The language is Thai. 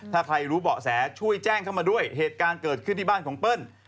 ถ้าใครรู้เบาะแสช่วยแจ้งเข้ามาด้วยเหตุการณ์เกิดขึ้นที่บ้านของเปิ้ล